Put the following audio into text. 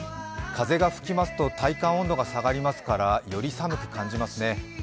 風が吹きますと体感温度が下がりますから、より寒く感じますね。